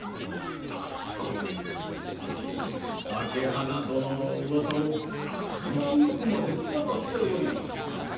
朱鼻殿のおうわさもみちのくまで伝わっております。